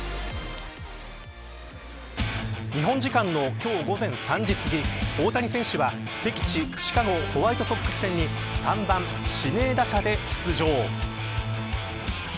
日本時間の今日午前３時すぎ大谷選手は敵地シカゴ・ホワイトソックス戦に３番、指名打者で出場。